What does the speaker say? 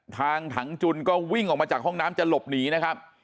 ถังจุนก็วิ่งออกมาจากห้องน้ำจะหลบหนีนะครับ